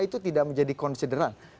itu tidak menjadi konsideran